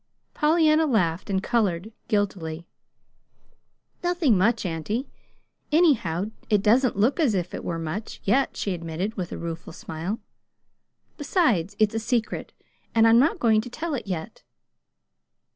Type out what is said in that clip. Pollyanna laughed and colored guiltily. "Nothing much, auntie. Anyhow, it doesn't look as if it were much yet," she admitted, with a rueful smile. "Besides, it's a secret, and I'm not going to tell it yet."